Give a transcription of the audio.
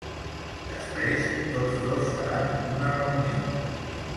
Després, tots dos faran una reunió.